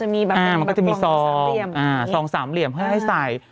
มันก็จะมีซอง๒๓เหลี่ยมให้ใส่